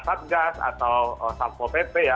satgas atau salpo pt ya